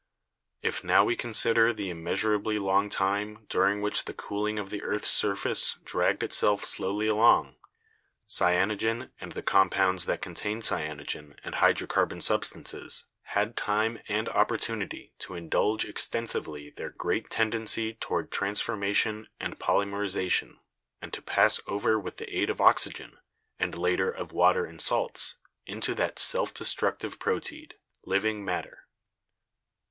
If now we consider the im 42 BIOLOGY measurably long time during which the cooling of the earth's surface dragged itself slowly along, cyanogen and the compounds that contain cyanogen and hydrocarbon substances had time and opportunity to indulge exten sively their great tendency toward transformation and polymerization and to pass over with the aid of oxygen, and later of water and salts, into that self destructive proteid, living matter."